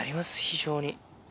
非常に。